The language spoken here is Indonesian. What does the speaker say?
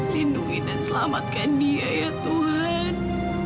lindungi dan selamatkan dia ya tuhan